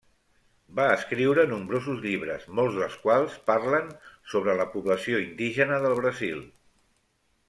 Va escriure nombrosos llibres, molts dels quals parlen sobre la població indígena del Brasil.